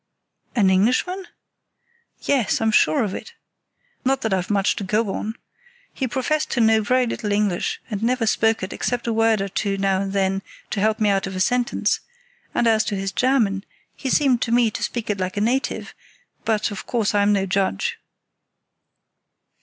"An Englishman?" "Yes, I'm sure of it. Not that I've much to go on. He professed to know very little English, and never spoke it, except a word or two now and then to help me out of a sentence; and as to his German, he seemed to me to speak it like a native; but, of course, I'm no judge."